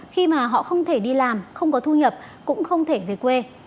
khi mà họ không thể đi làm không có thu nhập cũng không thể về quê